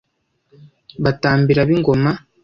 batambira b'ingoma